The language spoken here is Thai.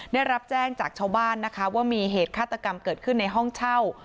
ได้รับแจ้งจากชาวบ้านนะคะว่ามีเหตุฆาตกรรมเกิดขึ้นในห้องเช่า